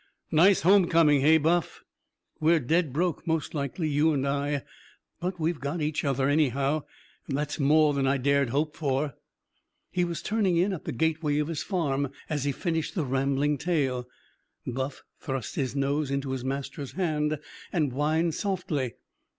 Nice home coming, hey, Buff? We're dead broke, most likely, you and I. But we've got each other, anyhow. And that's more than I dared hope for." He was turning in at the gateway of his farm as he finished the rambling tale. Buff thrust his nose into his master's hand and whined softly.